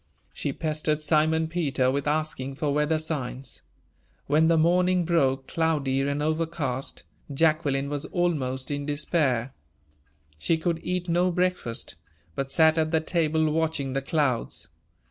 She pestered Simon Peter with asking for weather signs. When the morning broke, cloudy and overcast, Jacqueline was almost in despair; she could eat no breakfast, but sat at the table watching the clouds.